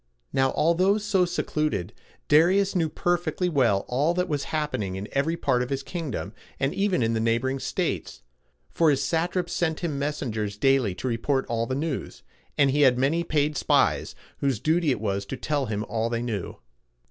Now, although so secluded, Darius knew perfectly well all that was happening in every part of his kingdom, and even in the neighboring states; for his satraps sent him messengers daily to report all the news, and he had many paid spies, whose duty it was to tell him all they knew.